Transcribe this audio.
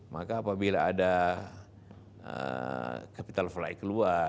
maka apabila ada capital flight keluar